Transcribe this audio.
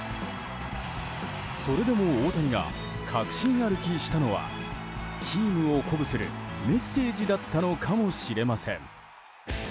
それでも大谷が確信歩きしたのはチームを鼓舞するメッセージだったのかもしれません。